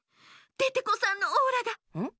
デテコさんのオーラがん？